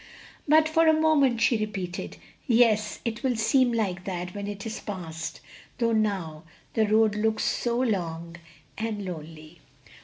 '" "'But for a moment!'" she repeated. "Yes, it will seem like that when it is past, though now the road looks so long and lonely."